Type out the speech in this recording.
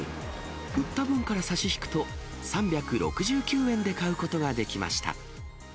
売った分から差し引くと、３６９円で買うことができました。